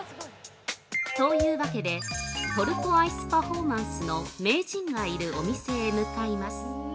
◆というわけで、トルコアイスパフォーマンスの名人がいるお店へ向かいます。